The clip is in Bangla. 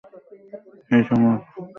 এই সংবাদটি অক্ষয়ের জানিবার বিশেষ কারণ ছিল।